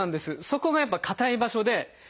そこがやっぱ硬い場所で。